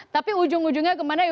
tapi ujung ujungnya kemana